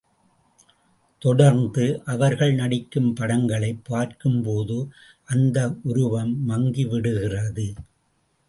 தொடர்ந்து அவர்கள் நடிக்கும் படங்களைப் பார்க்கும் போது அந்த உருவம் மங்கிவிடுகிறது.